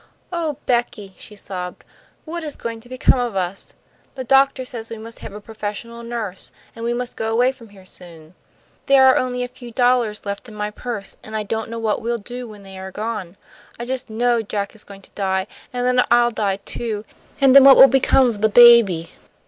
"Oh, Becky!" she sobbed, "what is going to become of us? The doctor says we must have a professional nurse, and we must go away from here soon. There are only a few dollars left in my purse, and I don't know what we'll do when they are gone. I just know Jack is going to die, and then I'll die, too, and then what will become of the baby?"